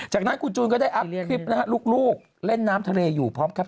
จากนั้นคุณจูนก็ได้อัพคลิปนะฮะลูกเล่นน้ำทะเลอยู่พร้อมครับ